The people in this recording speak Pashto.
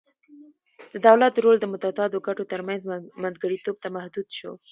د دولت رول د متضادو ګټو ترمنځ منځګړیتوب ته محدود شو